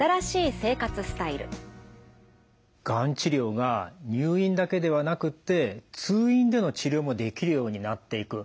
がん治療が入院だけではなくって通院での治療もできるようになっていく。